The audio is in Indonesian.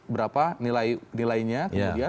berapa nilai nilainya kemudian